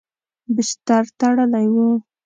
بستر تړلی و.